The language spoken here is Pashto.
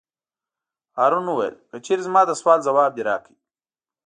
هارون وویل: که چېرې زما د سوال ځواب دې راکړ.